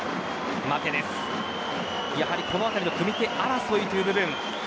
このあたりの組み手争いという部分。